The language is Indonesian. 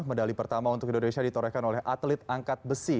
medali pertama untuk indonesia ditorehkan oleh atlet angkat besi